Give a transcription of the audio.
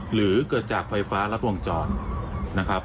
หรือเกิดจากไฟฟ้ารัดวงจรนะครับ